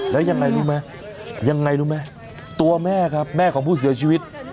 แล้วยังไงรู้ไหมตัวแม่ครับแม่ของผู้เสียชีวิต